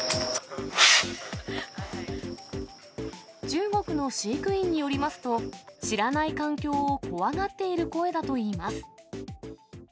中国の飼育員によりますと、知らない環境を怖がっている声だといいます。